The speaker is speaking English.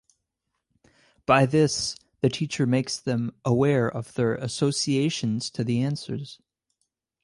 By this the teacher makes them aware of their associations to the answers.